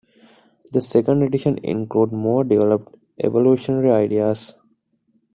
The second edition includes more developed evolutionary ideas.